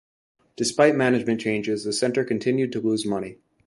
Despite management changes, the center continued to lose money.